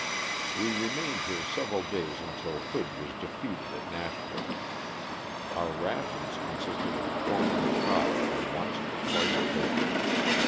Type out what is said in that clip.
We remained here several days until Hood was defeated at Nashville. Our rations consisted of corn on the cob from once to twice a day.